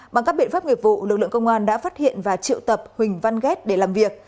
bằng các biện pháp nghiệp vụ lực lượng công an đã phát hiện và triệu tập huỳnh văn ghét để làm việc